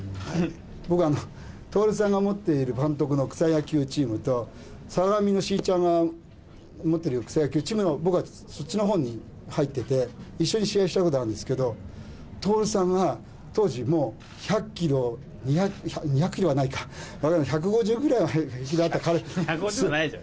僕は、徹さんが持っている監督の草野球チームと、坂上のしーちゃんが持ってる草野球チームの、僕はそっちのほうに入ってて、一緒に試合したことあるんですけど、徹さんは当時、１００キロ、２００キロはないか、分かんない、１５０もないでしょ。